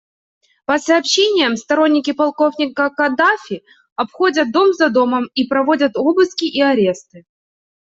По сообщениям, сторонники полковника Каддафи обходят дом за домом и проводят обыски и аресты.